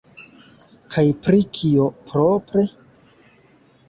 Kaj pri kio, propre?